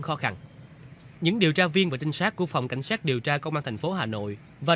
vấn đề những điều tra viên và trinh sát của phòng cảnh sát điều tra công an thành phố hà nội và